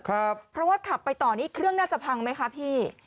เพราะว่าขับไปต่อนี่เครื่องน่าจะพังไหมคะพี่